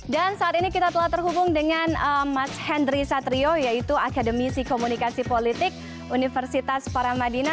dan saat ini kita telah terhubung dengan mas hendry satrio yaitu akademisi komunikasi politik universitas paramadina